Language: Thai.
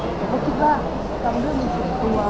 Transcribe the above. ภาพสมัครเหมือนรู้